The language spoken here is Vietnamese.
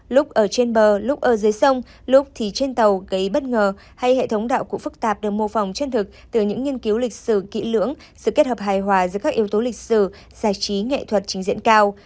lúc ở trên bờ lúc ở dưới sông lúc thì trên tàu gây bất ngờ hay hệ thống đạo cụ phức tạp được mô phỏng chân thực từ những nghiên cứu lịch sử kỹ lưỡng sự kết hợp hài hòa giữa các yếu tố lịch sử giải trí nghệ thuật trình diễn cao